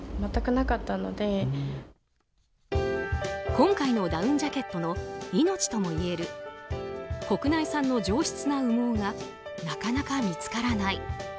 今回のダウンジャケットの命ともいえる国内産の上質な羽毛がなかなか見つからない。